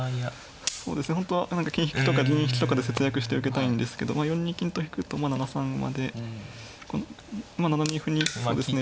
本当は何か金引きとか銀引きとかで節約して受けたいんですけど４二金と引くと７三馬でまあ７二歩にそうですね